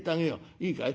いいかい。